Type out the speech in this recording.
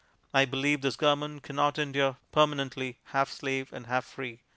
I believe this Government can not endure permanently half slave and half free."